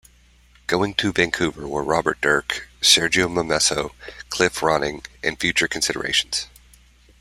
Going to Vancouver were Robert Dirk, Sergio Momesso, Cliff Ronning, and future considerations.